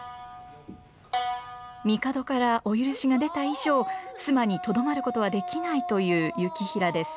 帝からお許しが出た以上須磨にとどまることはできないという行平です。